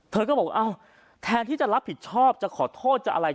เธอก็บอกแทนที่จะรับผิดชอบจะขอโทษอะไร